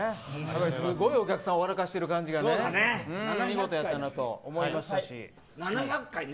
すごいお客さんを笑わしてる感じが見事やったと思いました。